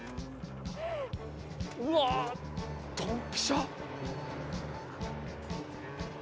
うわドンピシャ。